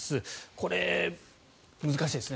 これ、難しいですね。